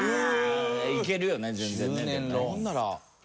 いけるよね全然ねでもね。